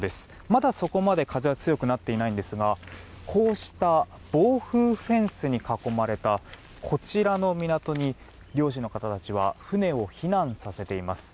まだ、そこまで風は強くなっていないんですがこうした防風フェンスに囲まれたこちらの港に漁師の方たちは船を避難させています。